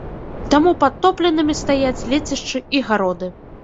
Таму падтопленымі стаяць лецішчы і гароды.